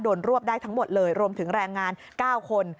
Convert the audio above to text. รวบได้ทั้งหมดเลยรวมถึงแรงงาน๙คน